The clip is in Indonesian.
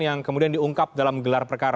yang kemudian diunggah oleh pak helvi asegaf